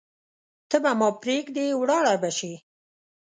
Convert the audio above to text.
ته به ما پریږدې ولاړه به شې